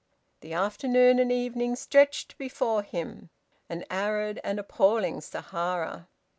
The afternoon and evening stretched before him, an arid and appalling Sahara.